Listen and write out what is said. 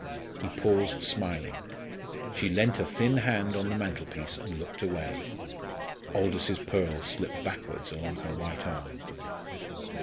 He paused smiling. She leant a thin hand on the mantelpiece and looked away; Aldous's pearls slipped backwards along her white arm.